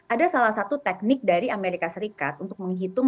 ada salah satu teknik dari amerika serikat untuk menghitung